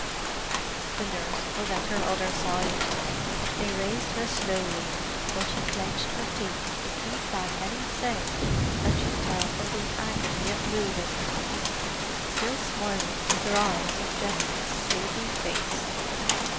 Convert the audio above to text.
The nurse was at her other side. They raised her slowly, while she clenched her teeth to keep back any sound that should tell of the agony of moving—still smiling with her eyes on Geoffrey's sleepy face.